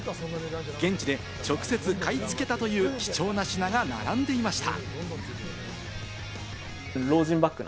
現地で直接買い付けたという貴重な品が並んでいました。